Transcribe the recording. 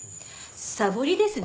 サボりですね。